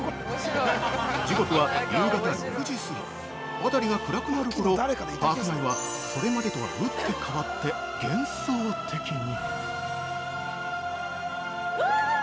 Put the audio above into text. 時刻は夕方６時過ぎ辺りが暗くなるころパーク内はそれまでとは打って変わって幻想的に。